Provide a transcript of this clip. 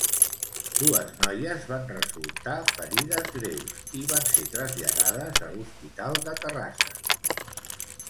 Dues noies van resultar ferides greus i van ser traslladades a l'Hospital de Terrassa.